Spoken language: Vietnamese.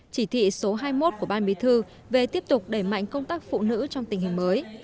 chỉ thị số hai mươi một của ban bí thư về tiếp tục đẩy mạnh công tác phụ nữ trong tình hình mới